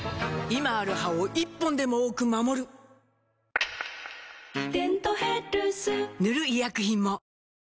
今ある歯を１本でも多く守る「デントヘルス」塗る医薬品も